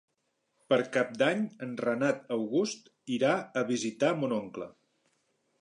Per Cap d'Any en Renat August irà a visitar mon oncle.